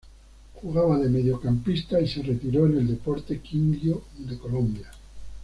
Jugaba de mediocampista y se retiró en el Deportes Quindío de Colombia.